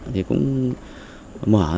thì cũng đối tượng này đến thuê trọ